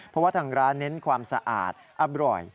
เพราะว่าทางร้านเน้นความสะอาดอร่อย